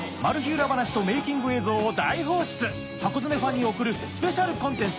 裏話とメイキング映像を大放出『ハコヅメ』ファンに送るスペシャルコンテンツ